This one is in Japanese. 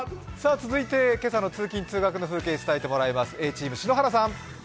続いて、今朝の通勤・通学の風景を伝えてもらいます。